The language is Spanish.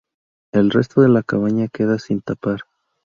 El resto de la cabaña queda sin tapar.